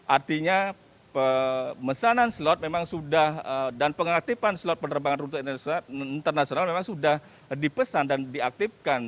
artinya pemesanan slot memang sudah dan pengaktifan slot penerbangan rute internasional memang sudah dipesan dan diaktifkan